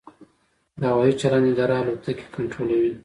د هوايي چلند اداره الوتکې کنټرولوي؟